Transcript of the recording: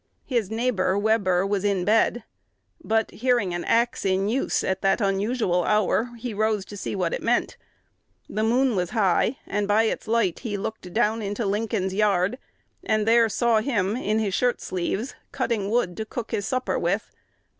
His neighbor, Webber, was in bed; but, hearing an axe in use at that unusual hour, he rose to see what it meant. The moon was high; and by its light he looked down into Lincoln's yard, and there saw him in his shirt sleeves "cutting wood to cook his supper with."